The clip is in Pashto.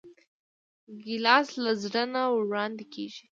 ګیلاس له زړه نه وړاندې کېږي.